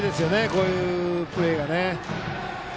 こういうプレーがね。